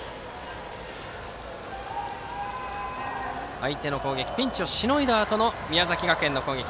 相手の攻撃ピンチをしのいだあとの宮崎学園の攻撃。